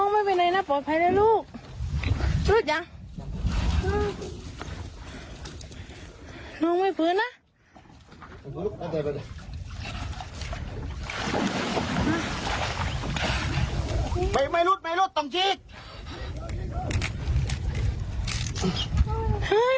ไม่รูดไม่รูดเลยต้องทิ้ง